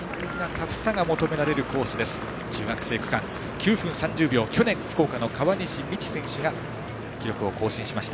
９分３０秒去年、福岡の川西みち選手が記録を更新しました。